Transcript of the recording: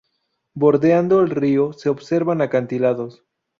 Bordeando el río, se observan acantilados.